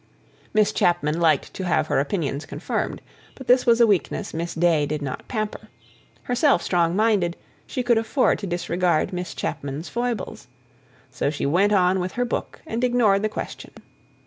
Miss Chapman liked to have her opinions confirmed. But this was a weakness Miss Day did not pamper; herself strong minded, she could afford to disregard Miss Chapman's foibles. So she went on with her book, and ignored the question.